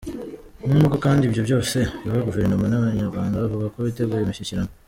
N’ubwo kandi ibyo byose biba, Guverinoma n’abayirwanya bavuga ko biteguye imishyikirano.